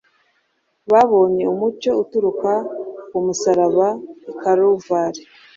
babonye umucyo uturuka ku musaraba w’i Karuvali,